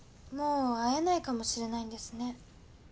もう会えないかもしれないんですね。